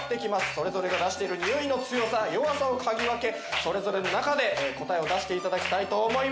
それぞれが出してるにおいの強さ弱さを嗅ぎ分けそれぞれの中で答えを出していただきたいと思います。